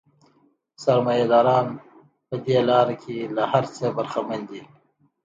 سرمایه داران په دې لار کې له هر څه برخمن دي